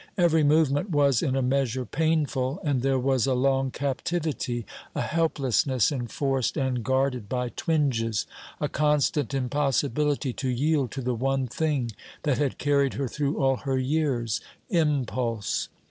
Every movement was, in a measure, painful; and there was a long captivity, a helplessness enforced and guarded by twinges, a constant impossibility to yield to the one thing that had carried her through all her years impulse.